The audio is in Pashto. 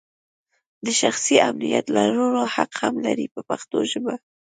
د شخصي امنیت لرلو حق هم لري په پښتو ژبه.